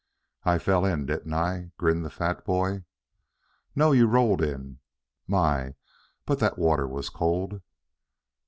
"I fell in, didn't I?" grinned the fat boy. "No, you rolled in. My, but that water was cold!"